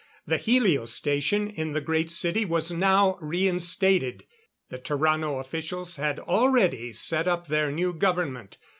The helio station in the Great City was now reinstated. The Tarrano officials had already set up their new government.